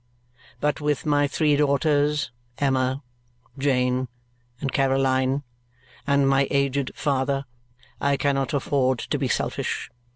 But with my three daughters, Emma, Jane, and Caroline and my aged father I cannot afford to be selfish.